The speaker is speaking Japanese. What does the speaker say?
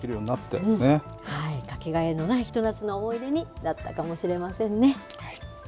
かけがえのないひと夏の思い出になったかもしれませんね。